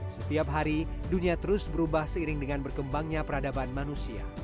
setiap hari dunia terus berubah seiring dengan berkembangnya peradaban manusia